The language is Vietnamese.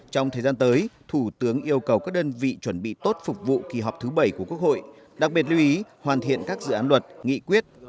trong thời gian tới thủ tướng yêu cầu các đơn vị chuẩn bị tốt phục vụ kỳ họp thứ bảy của quốc hội đặc biệt lưu ý hoàn thiện các dự án luật nghị quyết